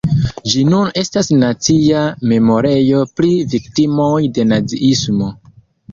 Ĝi nun estas nacia memorejo pri viktimoj de naziismo.